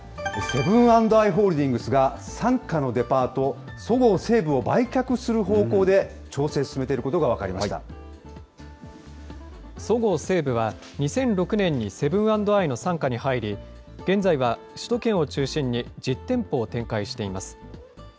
セブン＆アイ・ホールディングスが傘下のデパート、そごう・西武を売却する方向で調整を進めていることが分かりましそごう・西武は、２００６年にセブン＆アイの傘下に入り、現在は首都圏を中心に、１０店舗を展開しています。